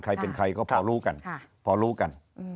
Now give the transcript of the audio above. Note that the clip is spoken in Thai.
ใครเป็นใครก็พอรู้กัน